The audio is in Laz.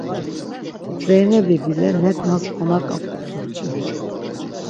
Zeynebi bile neǩnas konaǩap̌u dort̆un.